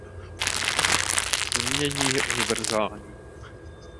Umění je univerzální.